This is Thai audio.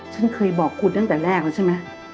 ฉันเคยบอกคุณตั้งแต่แรกแล้วใช่ไหม